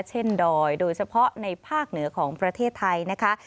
ดอยโดยเฉพาะในภาคเหนือของประเทศไทยนะคะ